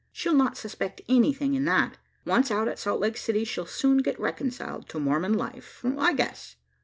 She'll not suspect anything in that. Once out at Salt Lake City, she'll soon get reconciled to Mormon life, I guess."